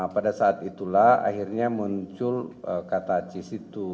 pada saat itulah akhirnya muncul kata cis itu